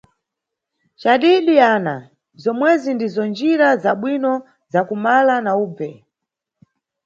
Cadidi Ana, zomwezi ndizo njira za bwino za kumala na ubve.